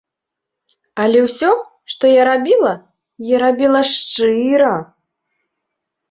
Але ўсё, што я рабіла, я рабіла шчыра.